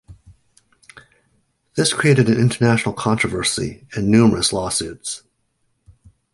This created an international controversy and numerous lawsuits.